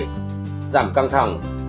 giảm căng thẳng